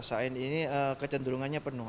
saat ini kecenderungannya penuh